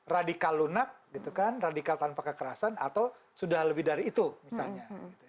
radikal lunak gitu kan radikal tanpa kekerasan atau sudah lebih dari itu misalnya